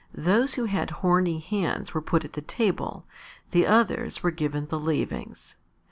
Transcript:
Those who had horny hands were put at the table; the others were given the leavings.